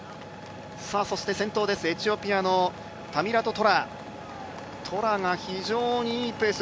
先頭、エチオピアのタミラト・トラ、トラが非常にいいペース。